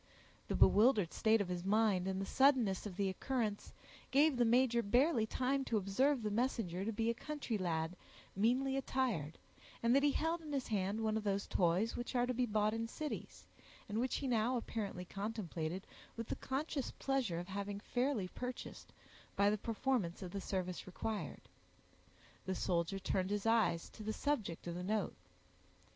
The bewildered state of his mind, and the suddenness of the occurrence, gave the major barely time to observe the messenger to be a country lad, meanly attired, and that he held in his hand one of those toys which are to be bought in cities, and which he now apparently contemplated with the conscious pleasure of having fairly purchased, by the performance of the service required. The soldier turned his eyes to the subject of the note.